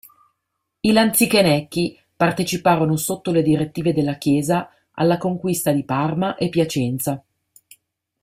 I lanzichenecchi parteciparono sotto le direttive della Chiesa alla conquista di Parma e Piacenza.